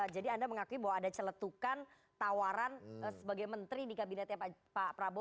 jadi anda mengakui bahwa ada celetukan tawaran sebagai menteri di kabinetnya pak prabowo